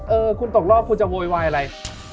เออคุณตกรอบคุณจะโวยวายอะไร